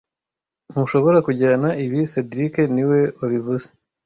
Ntushobora kujyana ibi cedric niwe wabivuze